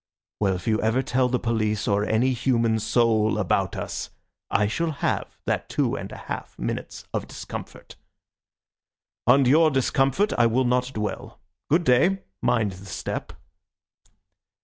Well, if you ever tell the police or any human soul about us, I shall have that two and a half minutes of discomfort. On your discomfort I will not dwell. Good day. Mind the step."